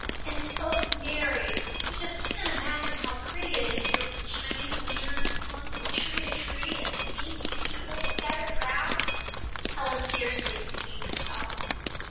"And, O Mary, you just can't imagine how pretty it is here with the Chinese lanterns swung from tree to tree, and the dainty tables scattered round!" Helen scarcely contain herself.